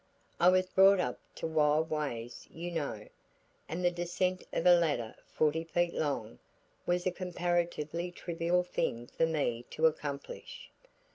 I was brought up to wild ways you know, and the descent of a ladder forty feet long was a comparatively trivial thing for me to accomplish.